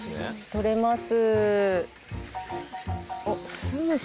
採れます。